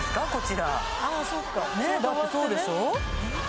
だってそうでしょ？